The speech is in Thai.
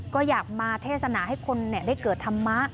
ก็อยากมาเทศนาให้คนได้เกิดธรรมะ